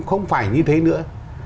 không phải như thế nữa